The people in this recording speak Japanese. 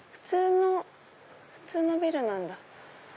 普通のビルなんだ。